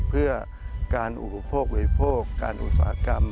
เพื่อการอุโปรกไว้โปรกการอุตสาหกรรม